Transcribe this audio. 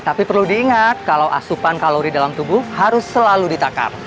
tapi perlu diingat kalau asupan kalori dalam tubuh harus selalu ditakar